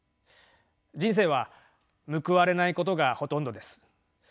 人生は報われないことがほとんどです。